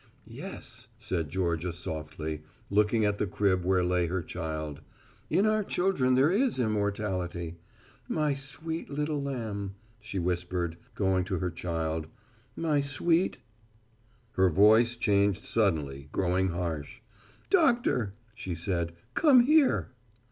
"Yes," said Georgia softly, looking at the crib where lay her child, "in our children there is immortality. My sweet little lamb," she whispered, going to her child, "my sweet " her voice changed suddenly, growing very harsh. "Doctor," she said, "come here."